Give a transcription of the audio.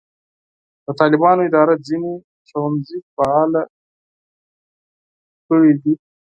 د طالبانو اداره ځینې ښوونځي فعاله کړي دي.